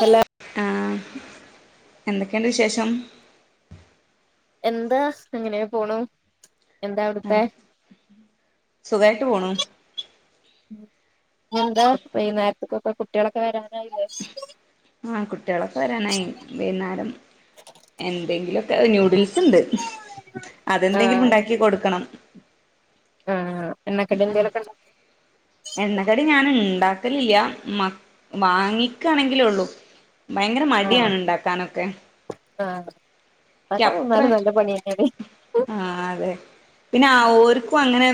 Hello. ആഹ് എന്തൊക്കെയിണ്ട് വിശേഷം? എന്താ അങ്ങനെ പോണു. എന്താ അവിടുത്തെ? ആഹ് സുഖായിട്ട് പോണു ഉം എന്താ വൈന്നേരത്ത്ക്കൊക്കെ കുട്ടികളൊക്കെ വരാനായില്ലേ? ആഹ് കുട്ടികളൊക്കെ വരാനായി വെയ്ന്നാരം. എന്തെങ്കിലു ഒക്കെ ന്യൂഡിൽസ് ഉണ്ട് അതെന്തെങ്കിലും ആഹ് ഉണ്ടാക്കി കൊടുക്കണം. ആഹ് എണ്ണകടി എന്തെലൊക്കെണ്ട എണ്ണക്കടി ഞാൻ ഉണ്ടാക്കലില്ല മ വാങ്ങിക്കയാണെങ്കിലെ ഒള്ളൂ. ഭയങ്കര ആഹ് മടിയാണ് ഇണ്ടാക്കാനൊക്കെ. ആഹ് ഇണ്ടാക്കാൻ അത്ര നിന്നാലും നല്ല പണിയെന്നാണ്. ആഹ് അതെ. പിന്നെ ആഹ് ഓർക്കും അങ്ങനെ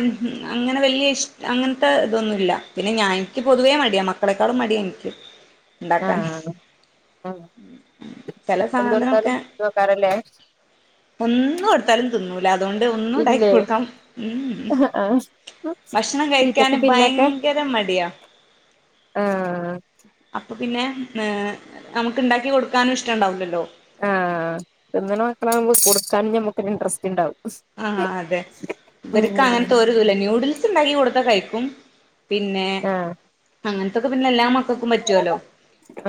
അങ്ങനെ വല്ല്യ ഇഷ്ട അങ്ങനത്തെ ഇതൊന്നുല്ല. പിന്നെ ഞാ എനിക്ക് പൊതുവേ മടിയാണ് മക്കളെക്കാളും മടിയ എനിക്ക്. ഇണ്ടാക്കാൻ ആഹ് ആഹ് ചെല സാധനൊക്കെ. നോക്കാറില്ലേ? ഒന്നു ലും തിന്നൂല അതുകൊണ്ട് ഒന്നും ഉണ്ടാക്കി ഇല്ലേ കൊടുക്കാം ഊം ഉം ആഹ് ഭക്ഷണം തീറ്റക്ക് കഴിക്കാന് പിന്നൊക്കെ ഭയങ്കര മടിയാ. ആഹ്. അപ്പ പിന്നെ നേ നമുക്ക് ണ്ടാക്കി കൊടുക്കാനും ഇഷ്ടം ഉണ്ടാവുല്ലല്ലോ. ആഹ് തിന്ന്ണ മക്കളാണെങ്കി കൊടുക്കാനും ഞമ്മക്കൊരു ഇന്ട്രസ്റ്റ് ഉണ്ടാവും. ആഹ് അതെ ഇവര്ക്ക് ഉം അങ്ങൻത്തെ ഒര് ല്ല നൂഡിൽസ്ണ്ടാക്കി കൊടുത്ത കഴിക്കും പിന്നേ. ആഹ് അങ്ങനത്തക്കെ പിന്നെ എല്ലാ മക്കൾക്കും പറ്റുവല്ലോ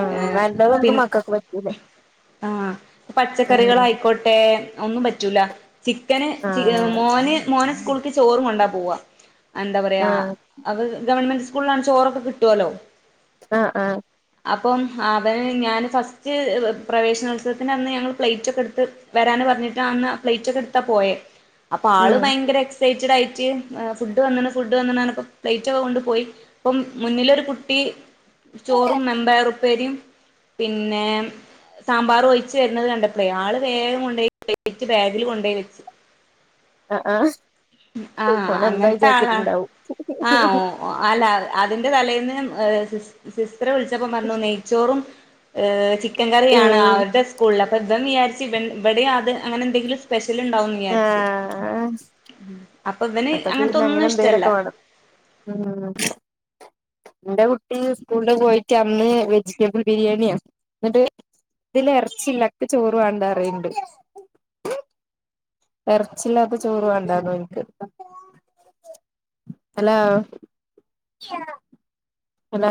ആഹ് ഏഹ് പി നല്ലതൊന്നും മക്കൾക്ക് പറ്റൂല ആഹ് പച്ചക്കറികൾ ആഹ് ആയിക്കോട്ടേ അഒന്നും പറ്റൂല. ക്കന് ച്ചി ആഹ് മോന് മോന് സ്കൂൾക്ക് ചോറും കൊണ്ടാ പോവാ അഎന്താ പറയാ. അത് ഗവൺമെന്റ് സ്കൂൾലാണ് ച്ചോറൊക്കെ കിട്ടോലോ. അഹ് ആഹ്. അപ്പം അവന് ഞാൻ ഫസ്റ്റ് പ്രവേശനോത്സവത്തിനെ അന്ന് ഞങ്ങൾ പ്ലേറ്റൊക്കെ എടുത്ത്. വരാന് പറഞ്ഞിട്ട് അന്ന് പ്ലേറ്റ് ഒക്കെ എടുത്താ പോയേ അപ്പൊ ആള് ഉം ഭയങ്കര എക്സൈറ്റ് ച്ച് ഡൈറ്റ് എഹ് ഫുഡ് വന്ന്ണ് ഫുഡ് വന്ന്ണ് ന്നർഞ്ഞപ്പം പ്ലെയ്റ്റൊക്കെ കൊണ്ട് പോയി. പ്പം മുന്നിലൊരു കുട്ടി ചോറൂം മമ്പയറു പ്പേരിം പിന്നേ. സാമ്പാറ് ഒയിച്ച് വെര്ന്നത് കണ്ടപ്പ്ളേ ആള് വേം കൊണ്ടോയി പ്ലെയ്റ്റ് ബാഗില് കൊണ്ടോയി വെ ച്ച്. അഹ് ആഹ്. ആഹ് ഓനെന്താ അങ്ങൻത്താളാ വിചാരിച്ചിട്ടുണ്ടാവും ആഹ് ഓ ഒഹ് അല്ല അതിന്റെ തലേന്ന് എഹ് സിസ് സിസ്റ്ററ് വിൾച്ചപ്പോ പറഞ്ഞു നെയ്ച്ചോറും ഏഹ് ചിക്കൻ കറിയാണ് അവരുടെ സ് സ്കൂൾള് അപ്പം ഇബൻ വിയാര്ച് ഇവൻ ഇബടെ അത് അങ്ങനെന്തെങ്കിലും സ്പെഷ്യല്ണ്ടാവുംന്ന് വിയാര്ച്. ആഹ് മക്കക്ക് അങ്ങനത്തെ പിന്നെ ഒന്നും ഇഷ്ടല്ല അങ്ങനെന്തേലൊക്കെ വാണം. ഉം ഇന്റെ കുട്ടി സ്കൂൾള് പോയിറ്റന്ന് വെജിറ്റബിൾ ബിരിയാണ്യാ. ന്നട്ട് ഇതില് എർച്ചില്ലാ ഇക്ക് ചോറ് വാണ്ടാറിണ്ട്. എറച്ചില്ലാത്ത ചോറ് വാണ്ടാന്നോൻക്ക്. ഹലോ. ഹലോ.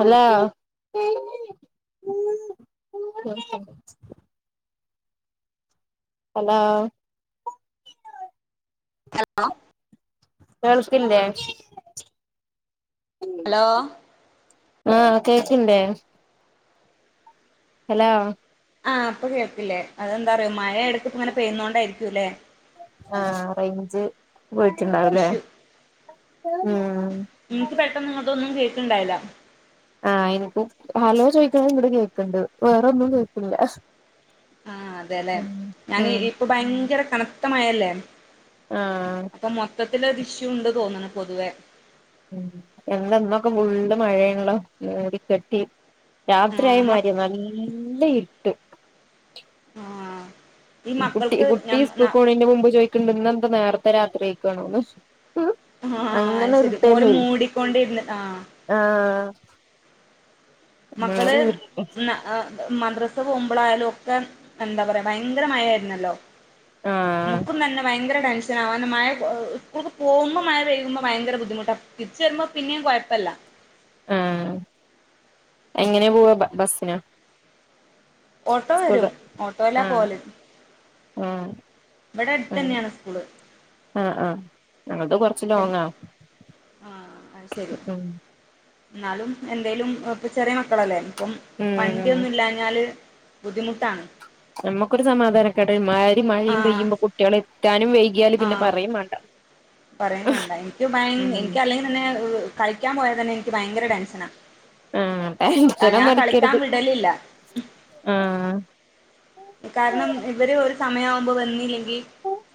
ഹലോ. [unintelligible] ഹലോ കേൾക്കില്ലേ? ഹലോ ആഹ് കേക്ക്ണ്ടേ. ഹലോ. ആഹ് ഇപ്പൊ കേൾക്ക്ല്ലേ അതെന്താറ്യോ മഴ എടക്ക്പ്പ ങ്ങനെ പെയ്യ്ന്നോണ്ടായിരിക്കു ല്ലേ. ആഹ് റെയ്ഞ്ച് പോയിട്ട്ണ്ടാവുലേ. ഇഷ്യൂ ഉം ഇൻക്ക് പെട്ടെന്ന് ഇങ്ങോട്ടൊന്നും കേക്ക്ണ്ടായില്ല. ആഹ് ഇൻക്കും ഹലോ ചോയ്ക്ക്ണത് ഇങ്ങട്ട് കേക്ക്ണ്ട്. വേറൊന്നും കേക്ക്ല്ല. ആഹ് അതെല്ലെ ഞാന് ഇ പ്പം ഭയങ്കര കനത്തമയല്ലേ ആഹ് അപ്പൊ മൊത്തത്തിലൊര് ഇഷ്യൂണ്ട് തോന്ന്ണ് പൊതുവേ. ഉം ഇന്ന് ഇന്നൊക്കെ ഫുള്ള് മഴേണല്ലോ മൂടിക്കെട്ടി. ആഹ് മ രാത്രിയായമാര്യാ നല്ല ഇ ആഹ്. ഈ എഹ് കുട്ടി മക്കൾക്ക് കുട്ടി ഞം ന സ്കൂകോണേന്റെ മുമ്പ് ചോയ്ക്ക്ണ്ട് ഇന്നെന്താ നേര്ത്തെ രാത്രിയായക്കണോന്ന്. ആഹ് അയ് ശെരി മോര് മൂടിക്കൊണ്ടിര്ന്ന് ആഹ്. ആഹ്. മക്കള് ഒരുമാതിരി ഇർ ന്ന അഹ് മദ്രസ് പോവുമ്പളായാലും ഒക്കെ എന്താ പറയാ ഭയങ്കര മഴായിരുന്നല്ലോ. ആഹ് അമ്മുക്കും തന്നെ ഭയങ്കര ടെൻഷ് ഷനാ ഒന്ന് മഴ എഹ് സ്കൂക്ക് പോവുമ്പോ മഴ പെയ്യുമ്പോ ഭയങ്കര ബുദ്ധിമുട്ട തിരിച്ച വെര്മ്പോ പിന്നെം കൊഴപ്പല്ല. ആഹ് എങ്ങനെ പോവാ ബ ബസ്സിനോ? ഓട്ടോ സ്കൂൾ വരും ബ ഓട്ടോലാ ആഹ് പോവല്. ആഹ് ഇവട അങ്ങനെ ട്തെന്നെണ് സ്കൂള്. ആഹ് ആഹ് ഞങ്ങൾത് കൊർച്ച് പക്ഷെ ലോങ്ങ. ആഹ് അത് ശരി എന്നാലും എന്തേലും ഇപ്പ ചെറിയ മക്കളല്ലേ അപ്പം ഉം വണ്ടിയൊന്നും ഇല്ലാഞ്ഞാല് ബുദ്ധിമുട്ടാണ് നമ്മുക്കൊരു സമാധാന കേട് ഇമാരി മഴയും ആഹ് പെയ്യുമ്പോ കുട്ടിയാളെ എത്താനും വെയ കിയാല് പിന്നെ ആഹ് പറയും വേണ്ട പറയും വാണ്ട എൻക്ക് ഭ ഉം എനിക്ക് അല്ലെങ്കിൽ തന്നെ കളിക്കാൻ പോയ തന്നെ എനിക്ക് ഭയങ്കര ടെൻഷന ആഹ് ടെൻഷനൊന്നും അടിക്കരുത് വിടലില്ല ആഹ് കാരണം ഇവര് ഒരു സമയ ആവുമ്പൊ വന്നില്ലെങ്കിൽ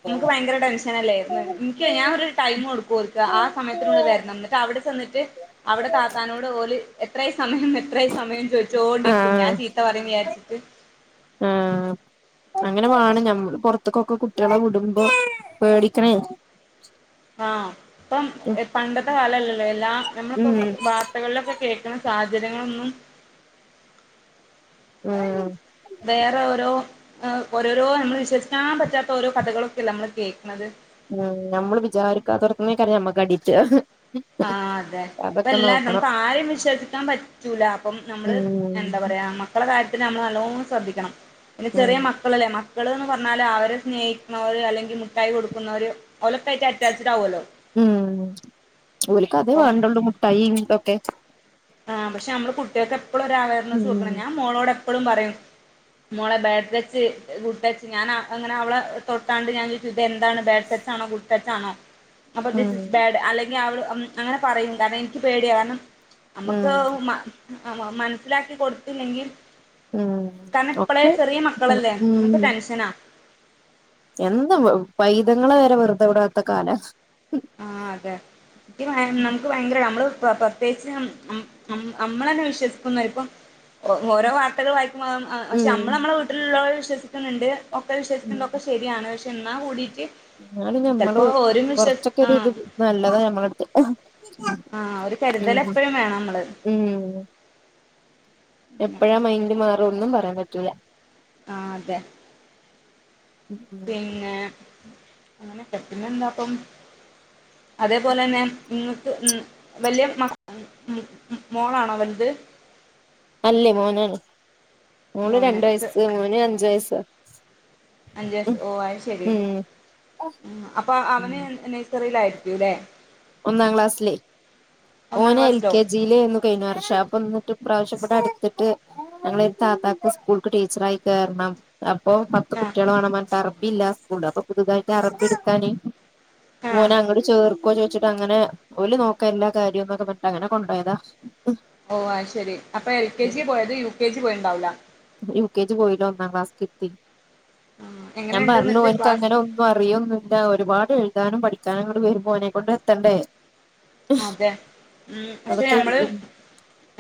നമുക്ക് ഭയങ്കര ടെൻഷൻ ങ്ങനെ അല്ലായിരുന്നു ഇൻക്ക് ഞാൻ ഒരു ടൈം കൊടുക്കും ഓൽക്ക് ആ സമയത്തിനുള്ള്ല് വര്ണം ന്ന് എന്നിട്ട് അവിടെ ചെന്നിട്ട് അവിടെ താത്താനോട് ഓല് എത്രായി സമയം എത്രയി സമയം ചോയ്ച്ചോണ്ടിരിക്കും ഞാൻ ആഹ് ചീത്ത പറയും വിചാര്ച്ച്ട്ട് ആഹ് അങ്ങനെ വേണം ഞമ്മള് പൊർത്ത്ക്കൊക്കെ കുട്ടിയാളെ വിടുമ്പോ പേടിക്കണേ ആഹ് ഇപ്പം ഉം പണ്ടത്തെ കാലല്ലല്ലോ എല്ലാം നമ്മളിപ്പോ ഉം [unintelligible] [unintelligible] ളിലൊക്കെ കേക്ക്ണ സാഹചര്യങ്ങളൊന്നും ആഹ് വേറെ ഓരോ ഓരോരോ നമ്മൾ വിശ്വസിക്കാൻ പറ്റാത്ത ഓരോ കഥകളൊക്കെല്ല നമ്മൾ കേക്ക്ണത് ഉം ഞമ്മള് വിചാരിക്കാത്തോട്ത്ത്ന്നേകാരം നമ്മക്ക് അടിട്ടാ ആഹ് അതെ ഇപ്പൊ എല്ലാ നമുക്ക് ആരിം വിശ്വസിക്കാൻ പറ്റൂല അപ്പം നമ്മള് ഉം എന്താ പറയാ മ ക്കള കാര്യത്തിൽ നമ്മൾ നല്ലോണം ശ്രദ്ധിക്കണം പിന്നെ ചെറിയ ഉം മക്കളല്ലേ മ ക്കൾന്ന് പർഞ്ഞാല് അവരെ സ്നേഹിക്കുന്നവര് അല്ലെങ്കിൽ മുട്ടായി കൊടുക്കുന്നവര് ഒലൊക്കായിട്ട് അറ്റാച്ചഡ് ആകുവല്ലോ ഉം ഓൽക്ക് അതേ വേണ്ടുള്ളൂ മുട്ടായിം ഇതൊക്കെ ആ പക്ഷെ നമ്മള് കുട്ടിയാൾക്കപ്പളും ഒരു അവറിനസ് ഉം കൊടുക്കണം ഞാന് മോളോട് എപ്പളും പറയും മോളെ ബാഡ് ടച്ച് ഗുഡ് ടച്ച് ഞാൻ അങ്ങനെ അവളെ തൊട്ടാണ്ട് ഞാൻ ഇത് എന്താണ് ബാഡ് ടച്ച് ആണോ ഗുഡ് ടച്ച് ആണോ അപ്പൊ ഇത് ഉം ബാഡ് അല്ലെ [unintelligible] അങ്ങനെ പറയും കാരണം എനിക്ക് പേടിയാണ് കാരണം നമ്മക്ക് ഉം മ മൻസ്സിലാക്കി കൊടുത്തില്ലെങ്കിൽ ഉം കാരണം ഇപ്പളെ ഒക്കെ ചെറിയ കിട്ടണം മക്കളല്ലേ ഉം നമ്മക്ക് ടെൻഷനാ എന്താ പൈതങ്ങളെ വരെ വെർതെ വിടാത്ത കാല ആഹ് അതെ ഇ നമുക്ക് ഭയങ്കര നമ്മള് പ്രത്യേകിച്ച് നമ്മള തന്നെ വിശ്വസിക്കുന്ന ഇപ്പം ഓരോ വാർത്തകൾ വായി [unintelligible] പക്ഷെ ഉം നമ്മള് നമ്മളെ വീട്ടിലുള്ളവരെ വിശ്വസിക്കുന്നുണ്ട് ഒക്കെ വിശ്വസിക്കുന്നുണ്ട് ഒക്കെ ശ രിയാണ് പക്ഷെ എന്നാ കൂടിയിട്ട് എന്നാലും ഞമ്മള് ചിലപ്പോ ഓരും വിശ്വസി കൊർച്ചൊക്കെ ഒരു ആഹ് ഇത് നല്ലതാ ഞമ്മള അടുത്ത് ആഹ് ഒരു കരുതൽ എപ്പഴും വേണം നമ്മള് ഉം എപ്പഴാ മൈൻഡ് മാറ ഒന്നും പറയാൻ പറ്റൂല ആഹ് അതെ ഉം പിന്നെ അങ്ങനെ പിന്നെ എന്താപ്പം അതേപോലെ തന്നെ നിങ്ങൾക്ക് ഉം വലിയ മ മോളാണോ വൽത് അല്ലേ മോനാണ് മോള് മോന് രണ്ട് വയസ്സ് മോന് അഞ്ചു വയസ് അഞ്ചു വയസു ഓഹ് ആയ് ശരി അപ്പൊ അവന് നെയ് സെറിയിലായ്ര്ക്കൂ ലെ ഒന്നാം ക്ലാസ്സ്ലേ ഒന്നാം ഓന് എൽ ക്ലാസ്സിലോ കെ ജി ലേന്നു കഴിഞ്ഞ വർഷം അപ്പ ഇന്ന്ട്ട് ഇപ്രാവശ്യം ഇവടട്ത്ത്ട്ട് ഞങ്ങളൊരു താത്താക്ക് സ്കൂൾക്ക് ടീച്ചറായി കേറണം അപ്പൊ പത്ത് ആഹ് കുട്ടായാളെ വേണം പർഞ്ഞ്ട്ട് അർബി ഇല്ല ആ സ്കൂൾള് അപ്പൊ പുതുതായിട്ട് അറബി ഇട്ക്കാന് ആഹ് ഓനെ അങ്ങട്ട് ചേർക്കോ, ചോയ്ച്ച്. അങ്ങനെ ഓല് നോക്ക എല്ലാ കാര്യൊന്നൊക്കെ പർഞ്ഞ്ട്ട് അങ്ങനെ കൊണ്ടോയതാ. ഓ, അത് ശരി അപ്പൊ എൽ കെ ജി, പോയത്. യു കെ ജി, പോയിണ്ടാവൂല. യൂ ക്കെ ജി, പോയീല. ഒന്നാ ക്ലാസ്ക്ക് ഇര്ത്തി. ആഹ് ഞാൻ എങ്ങനെയുണ്ട് പർഞ്ഞു. എന്നിട്ട് ഓൻക്ക് ക്ലാസ് അങ്ങനെ ഒന്നും അറിയൊന്നു അറിയോന്നുല്ല, ഒരുപാട് എഴുതാനും പഠിക്കാനും ഇങ്ങട്ട് വെര്മ്പോ ഓനെകൊണ്ട് എത്തണ്ടേ. അതെ, ഉം. പക്ഷെ അതൊക്കെ നമ്മള്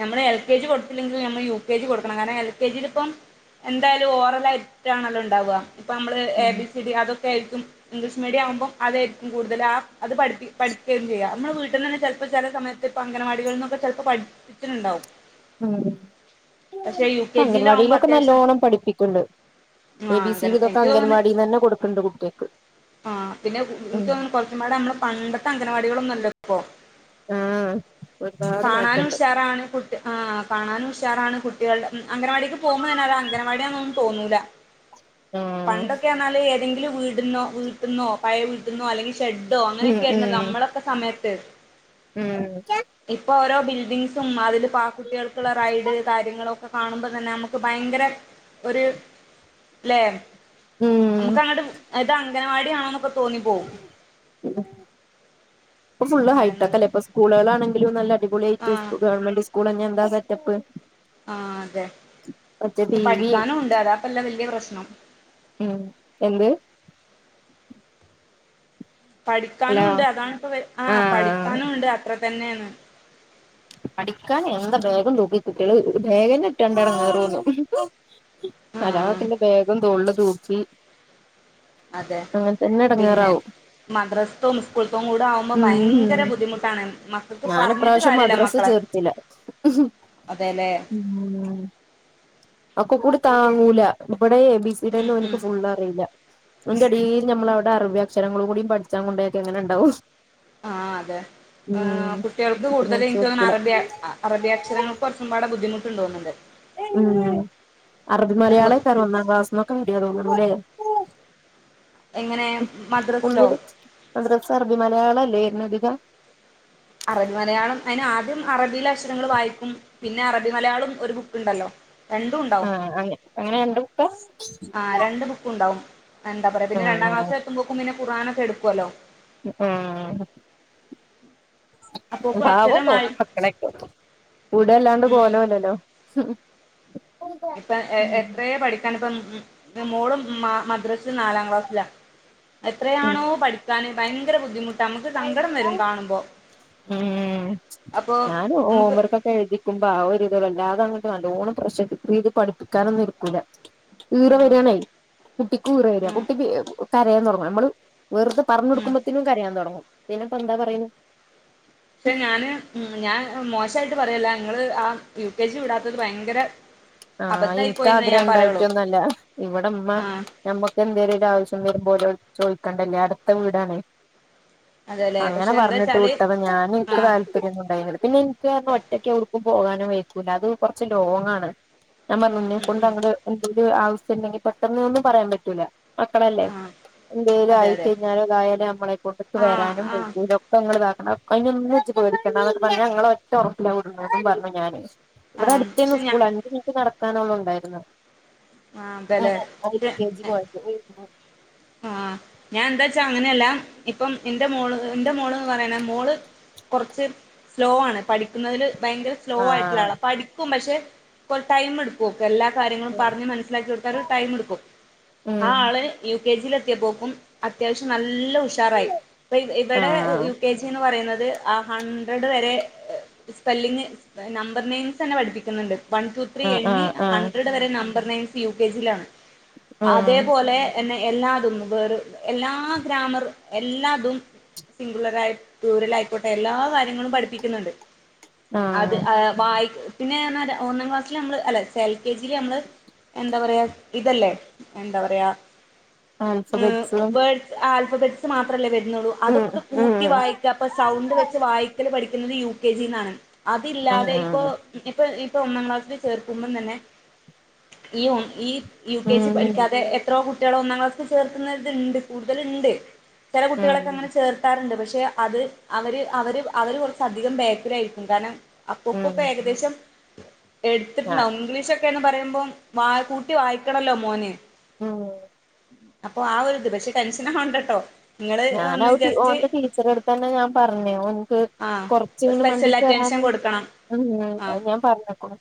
നമ്മൾ എൽ കെ ജി, കൊട്ത്തില്ലെങ്കിലും നമ്മൾ യു കെ ജി, കൊട്ക്കണം. കാരണം എൽ കെ ജില് ഇപ്പം എന്തായാലും ഓറലിയിട്ടാണല്ലോ ഇണ്ടാവാ. ഇപ്പൊ നമ്മൾ എ ഉം ബിസി ഡി അതും അതായിരിക്കും ഇംഗ്ലീഷ് മീഡിയം ആവ്മ്പോ അതായിരിക്കും കൂട്തല്. ആ, അത് പഠ്പ്പി പഠിക്കേം ചെയ്യാ. നമ്മളെ വീട്ട് വിട്ട് ന്നന്നെ ചെൽപ്പോ, ചെല സമയത്ത് ഇപ്പ അംഗനവാടികൾന്നൊക്കെ, ചെലപ്പോ പഠ്പ്പിക്ക്ണ് ണ്ടാവും. ഉം. കെ ജിയിലാകുമ്പോ അങ്കൻവാടിയിലൊക്കെ അത്യാവശ്യം നല്ലോണം പഠിപ്പിക്ക്ണ്ട്. ആ എ ബി സി അങ്കന ടി, ഇതൊക്കെ എനിക്ക് അങ്കൽ തോന്ന്ണ് വാടീന്നന്നെ കൊട്ക്ക്ണ്ട് കുട്ട്യാക്ക്. ആ, പിന്നെ ഇൻക്കോന്ന്ണ് കൊർച്ചുമ്പാടെ നമ്മളെ പണ്ടത്തെ അംഗല വാടികളൊന്നും അല്ല ഇപ്പൊ. ആഹ് ഒരുപാട് കാണാനും മാറ്റണ്ട് ഉഷാറാണ് കുട്ട് ആ, കാണാനും ഉഷാറാണ്. കുട്ട്യാൾടെ അംഗല വാടീക്ക് പോകുമ്പോ, തന്നെ അംഗൻവാടിയാന്നൊന്നും തോന്നൂല. [inaudible] ആഹ് പണ്ടൊക്കെർഞ്ഞാല് ഏതെങ്കിലും വീട്ന്നോ, വീട്ട്ന്നോ പഴേ വീട്ട്ന്നോ, അല്ലങ്കി ഷെഡോ ഉം അങ്ങനൊക്കെ ആയിര്ന്നല്ലോ. ഉം നമ്മളൊക്കെ സമയത്ത്. ഉം. ഇപ്പൊ ഓരോ ബിൽഡിങ്സും, അതില് പാർക്ക്, കുട്ട്യാൾക്ക്ള്ള റൈഡ് കാര്യങ്ങള് ഒക്കെ കാണുമ്പോ തന്നെ നമക്ക് ഭയങ്കര ഒര്, ലേ. ഉം നമുക്ക് അങ്ങട്ട് ഇത് അംഗനവാടിയാണോ? എന്നൊക്കെ തോന്നിപ്പോവും. ഉം. ഇപ്പൊ ഫുള്ള് അങ്ങനെ നല്ല ഹൈട്ടെക്കല്ലേ. ഇപ്പൊ സ്കൂളുകളാണെങ്കിലും നല്ല അടിപൊളിയ്യിട്ട് ആഹ് ഗവൺമെന്റ് സ്കൂളെന്നെ എന്താ സെറ്റപ്പ്. ആ, അതെ. മറ്റേ ഇപ്പൊ ടി വിയും പഠിക്കാനൂണ്ട് അതാപ്പല്ലേ വല്യ പ്രശ്നം. ഉം. എന്ത്? ഹലോ പഠിക്കാനൂണ്ട്, അതാണിപ്പം വെ ആ, ആഹ് പഠിക്കാനൂണ്ട് അത്ര തന്നേന്ന്. പഠിക്കാൻ എന്താ ബേഗും തൂക്കിട്ട്, കുട്ട്യള് ബേഗന്നെ ഇട്ടേ കണ്ട എടങ്ങേറോന്നും. ആഹ് അലക്കിന്റെയ് ബാഗും തോളിൽ തൂക്കി. അതെ. അങ്ങൻത്തെന്നെ എടങ്ങേറാവും. മദ്രസ്ത്തോം, സ്കൂൾത്തോകൂടെ ആവുമ്പോ ഭയങ്കര ഉം ബുദ്ധിമുട്ടാണ് മക്കക്ക് പർഞ്ഞ്ട്ട് കാര്യല്ല മക്ക ചേർത്തില. ഉം. ഒകോ കൂടി താങ്ങൂല. ഇവടെ എ ബി സി ടി, ഉം ന്നെ ഓൻക്ക് ഉം ഫുള്ളറീല. അയി ൻ്റെടില് നമ്മള് അവ്ടെ അറബി അക്ഷരങ്ങളും കൂടി പഠ്ച്ചാ കൊണ്ടയാക്ക്യാ എങ്ങനെണ്ടാവും. ആ, അതെ കുട്ട്യാൾക്ക് അപ്പൊ ഞാൻ കൂടുതല് ഇൻക്ക്തോന്ന്ണ് ചേർത്തില്ല അറബി അ അറബി അക്ഷരങ്ങൾക്ക് കൊർച്ചുമ്പാടെ ബുദ്ധിമുട്ട്ണ്ട് തോന്ന്ണ്ട്. ഉം. അറബി പൊതു മലയാളേക്കാരം ഒന്നാം ക്ലാസ്ന്നൊക്കെ വെരാ തോന്ന്ണ്ല്ലേ. എങ്ങനെ മദ്രസ് ലോ? മദ്രസ് അറബി മലയാളല്ലേ, വെര്ന്നത് അധികം. അറബി മലയാളം, ഐന് ആദ്യം അറബിയില് അക്ഷരങ്ങള് വായിക്കും. പിന്നെ അറബി മലയാളം ഒരു ബുക്ക്ണ്ടല്ലോ രണ്ടൂണ്ടാവും. ആഹ് അങ്ങ അങ്ങനെ കണ്ട് ബുക്കാ ആ, രണ്ടു ബുക്കും ഉണ്ടാവും. എന്താ പറയാ, പിന്നെ രണ്ടാം ക്ല്സ് ആഹ് ല് എത്ത്മ്പോക്കും പിന്നെ ഖുർആനൊക്കെ എടുക്കല്ലോ. ആ. അപ്പോക്കും പാവം അക്ഷരമായി തോന്നും മക്കളൊക്കെ കൂടല്ലാണ്ട് ഉം കോലോല്ലല്ലോ ഇപ്പൊ ഉം എത്രയേ പഠിക്കാൻ ഇപ്പ മോളും മ മദ്രസ നാലാം ക്ലാസ്സിലാ. എത്രയാണോ പഠിക്കാന് ഭയങ്കര ബുദ്ധിമു ഉം അപ്പൊ ഞാന ഹോം നമുക്ക് വർക്ക ഴതികുമ്പോ ആ ഒരുരിത വല്ലാതെങ്ങട്ട് നല്ലോണം പ്രശറയ്ത് പഠിപ്പിക്കാനൊന്നും എടുക്കൂല. ഈറ ആ വെരാണെ കുട്ടിക്കു ഈറ വെര ഉം കുട്ടിക്ക് കരയാൻ തുടങ്ങ നമ്മള് വെറുതെ ഉം പറഞടുക്കുമ്പോതിനും കരയാൻ തൊടങ്ങും പിന്നെപ്പന്താ പറയ പക്ഷെ ഞാന് ഞാൻ മോശയിട്ട് പറയല്ല ങ്ങള് ആ യു കെ ജി വിടാത്തത് ഭയങ്കര ആഹ് അബദ്ധായി ഇൻക്ക് പോയിന്നേ ഞാൻ ആഗ്രഹം പറയുള്ളൂ ഇണ്ടായിട്ടൊന്നല്ല ഇവിടെ മ്മ ആഹ് ഞമ്മക്കന്തേലും ഒരാവശ്യം വരുംപോലോട് ചോദിക്കണ്ടല്ലേ അടുത്ത വീടാണ്. അതെല്ലെ അങ്ങനെ പക്ഷെ പറഞ്ഞിട്ട് എന്താച്ചാല് വിട്ടത ഞാന് ൻക്ക് ആഹ് താൽ ര്യന്നുണ്ടായില്ല പിന്നെനിക്കരണം ഒറ്റക് ഔടുക്കും പോകാനും വേയ്ക്കുല അത് കുറച്ച് ലോങണ്. ഞാൻ പറഞ്ഞു ഉം ന്നെ ഉം കൊണ്ട് ഉം അങ്ങട് എന്തേലും ആവശ്യം ണ്ടെങ്കി പെട്ടെന്ന് ഒന്നും പറയാൻ പറ്റൂല്ല. മക്കളല്ലേ ആഹ് എന്തെലും അതെ അതെ ആയിക്കഴിഞ്ഞാലും തായാലും നമ്മളെ കൊണ്ട് ആഹ് വരാനും ആഹ് വൈക്കുല. ഇപ്പങ്ങള് ഇതാക്കണം അയ്നൊന്ന് ജ്ജ് പെടിക്കണ്ടാന്നൊക്കെ പറഞ്ഞാ ങ്ങളെ ഒറ്റ ഒറപ്പില വിടുന്നതും പറഞ്ഞു ഞാന്. ഇവടെ ആഹ് അടുത്തന്നെ പക്ഷെ ഞാ സ്കൂൾ അഞ്ചുമിനിറ്റ് നടക്കാനോള്ളൂണ്ടായിര്ന്നെ ആഹ് അതെല്ലേ [unintelligible] കേ ജി പക്ഷെ [unintelligible] ആഹ് ഞാൻന്താച്ചാ അങ്ങനെല്ലാ ഇപ്പം എന്റെ മോള് എന്റെ മോള്ന്ന് പറയണ മോള് കൊർച്ച് സ്ലോ ആണ് പഠിക്കുന്നതില് ഭയങ്കര സ്ലോ ആയിട്ടുള്ള ആഹ് ആളാ പഠിക്കും പക്ഷെ കൊർ ടൈം എടു ക്കു പെല്ലാ കാര്യങ്ങളും പറഞ്ഞ് മനസ്സിലാക്കി കൊടുക്കാ ഒരു ടൈമ് എടുക്കും ആ ഉം ആള് യു കെ ജി ലെത്തിയപോക്കും അത്യാവശ്യം നല്ല ഉഷാറായി ഇപ്പ ഇബടെ ആഹ് യു കെ ജിന്ന് പറയുന്നത് ആ ഹൺഡ്രഡ് വരെ സ്പെല്ലിങ് നമ്പർ നെയിംസന്നെ പഠിപ്പിക്കുന്നുണ്ട്. വൺ ടു ത്രീ ആഹ് എണ്ണി ആഹ് ആഹ് ഹണ്ട്രഡ് വരെ നമ്പർ നയൻസ് യു കെ ജിയിലാ ആഹ് അതേപോലെ എന്നെ എല്ലാതും വേറെ എല്ലാ ഗ്രാമർ എല്ലാതും. സിംഗുലർ ആയി പ്ലൂരലയിക്കോട്ടെ എല്ലാ കാര്യങ്ങളും പഠിപ്പിക്കുന്നുണ്ട്. അത് ആഹ് ഏഹ് വായി പിന്നെ ർഞാ ഒന്നാം ക്ലാസ്സിലമ്മള് അല്ല എൽ കെ ജില് അമ്മള് എന്താ പറയാ ഇതല്ലേ എന്താ പറയാ? ആൽഫബേറ്റ്സും വേർഡ്സ് ആൽഫബറ്റ്സ് മാത്രല്ലേ വരുന്നുള്ളൂ ഉം അതൊക്കെ കൂ ഉം ട്ടി വായിക്കപ്പൊ സൗണ്ട് വെച്ച് വായിക്കല് പഠിക്കുന്നത് യു കെ ജിന്നാണ് ആഹ് അതില്ലാതെ ഇപ്പൊ ആഹ് ഇപ്പൊ ഇപ്പൊ ഒന്നാം ക്ലാസ്സിൽ ചേർക്കുമ്പം തന്നെ ഈ ഒ ഈ യു കെ ജി ഉം പഠിക്കാതെ എത്രയോ കുട്ടികള ഒന്നാം ക്ലാസ്സിൽ ചേർക്കുന്നത്ണ്ട് കൂടുതലുണ്ട്. ചെല ഉം കുട്ടികളെക്കെ അങ്ങനെ ചേർ കാറുണ്ട് പക്ഷെ അത് അവര് അവര് അവര് കുറച്ചധികം ബേക്കിലായിരിക്കും കാരണം അപ്പൊപ്പൊ ഇപ്പ ഉം ഏകദേശം ആ എടുത്തിട്ടുണ്ടാവും ഇംഗ്ലീഷൊക്കെന്ന് പറയുമ്പോ വ കൂട്ടി വായിക്കണല്ലോ മോൻ. ഉം അപ്പൊ ആ ഒരു ഇത് പക്ഷെ ടെൻഷനാവണ്ടട്ടോ. ഞാന് അവ് ടി ഓന്റെ ടീച്ചറടുത്തന്നെ ഞാൻ പറഞ് ഓൻക്ക് ആഹ് കൊറച്ചങ്ങനെ സ്പെഷ്യൽ അറ്റൻഷൻ മണ്ടിക്കേറാന് കൊടുക്കണം [unintelligible] ആഹ് അയ്ഞാൻ പറഞ്ക്കുണ്.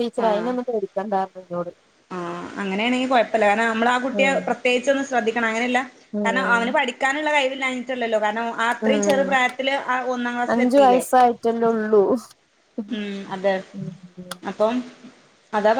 ടീച്ചർ ആഹ് അയിനൊന്നും പേടിക്കണ്ടാറഞ്ഞന്നോട്. ആഹ് അങ്ങനെണെങ്കി കുഴപ്പല്ല കാരണം അമ്മൾ ആ കുട്ടിയെ ഉം പ്രത്യേകിചൊന്നും ശ്രദ്ധിക്കണം അങ്ങനെയല്ല കാരണം അവന് ഉം പഠി ക്കാനുള്ള ധൈര്യം ഇല്ലാഞ്ഞിട്ടല്ലല്ലോ കാരണം അത്രയും ചെറു ഉം പ്രായത്തില് ആ ഒന്നാം ക്ലാസ്സൽ അഞ്ചു എത്തില്ലേ. വയസ്സായിട്ടല്ലേ ഉള്ളൂ ഉം അതെ ഉം അപ്പം അതാ